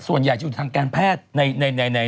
ส่วนใหญ่อยู่ทางแกนแพทย์